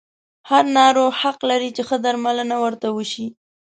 هر ناروغ حق لري چې ښه درملنه ورته وشي.